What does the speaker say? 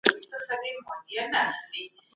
خپل وخت به د خپلي راتلونکي لپاره مصرفوئ.